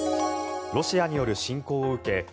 ロシアによる侵攻を受け